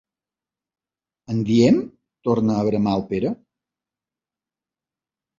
En diem?! —torna a bramar el Pere—.